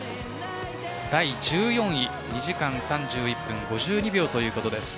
第１４位、２時間３１分５２秒ということです。